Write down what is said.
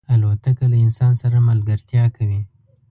الوتکه له انسان سره ملګرتیا کوي.